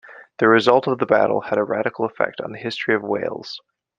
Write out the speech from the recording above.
The result of the battle had a radical effect on the history of Wales.